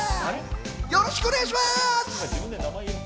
よろしくお願いします。